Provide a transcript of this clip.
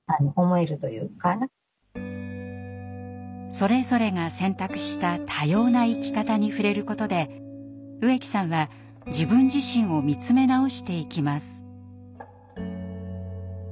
それぞれが選択した多様な生き方に触れることで植木さんは自分自身を見つめ直していきます。